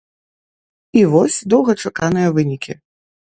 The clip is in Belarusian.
І вось доўгачаканыя вынікі.